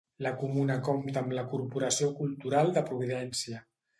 La comuna compta amb la Corporació Cultural de Providència.